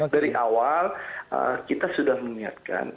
dari awal kita sudah mengingatkan